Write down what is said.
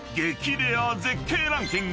レア絶景ランキング］